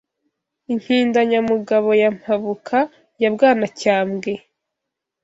Impindanyamugabo ya Mpabuka ya bwanacyambwe